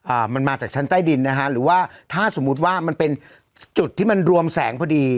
อ่ามันมาจากชั้นใต้ดินนะฮะหรือว่าถ้าสมมุติว่ามันเป็นจุดที่มันรวมแสงพอดี